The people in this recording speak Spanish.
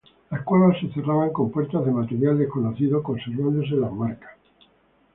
Las cuevas se cerraban con puertas de material desconocido, conservándose las marcas.